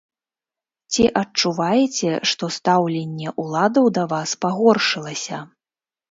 Ці адчуваеце, што стаўленне ўладаў да вас пагоршылася?